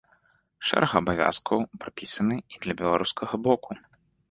Шэраг абавязкаў прапісаны і для беларускага боку.